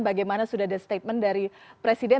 bagaimana sudah ada statement dari presiden